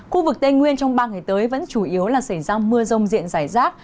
khu vực tây nguyên trong ba ngày tới vẫn chủ yếu là xảy ra mưa rông diện giải rác